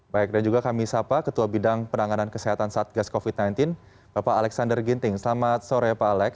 baik dan juga kami sapa ketua bidang penanganan kesehatan satgas covid sembilan belas bapak alexander ginting selamat sore pak alex